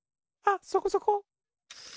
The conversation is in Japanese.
あっそこそこ。